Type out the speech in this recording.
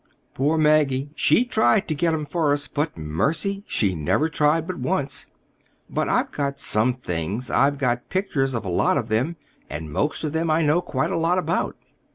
Poor Maggie—she tried to get 'em for us; but, mercy! she never tried but once. But I've got some things. I've got pictures of a lot of them, and most of them I know quite a lot about."